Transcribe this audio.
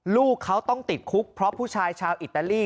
ลูกเขาต้องติดคุกเพราะผู้ชายชาวอิตาลี